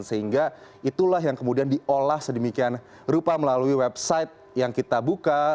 sehingga itulah yang kemudian diolah sedemikian rupa melalui website yang kita buka